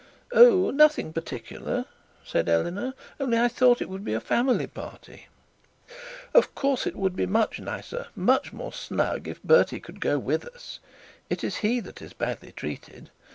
'Oh; nothing particular,' said Eleanor; 'only I thought it would be a family party.' 'Of course it would be much nicer, much more snug, if Bertie would go with us. It is he that is badly treated.